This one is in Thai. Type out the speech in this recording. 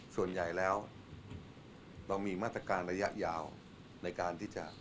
ส่วนใหญ่แล้วเรามีมาตรการระยะยาวในการที่จะ